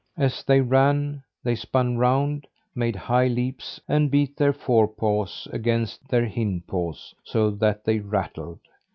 As they ran, they spun round, made high leaps and beat their forepaws against their hind paws so that they rattled.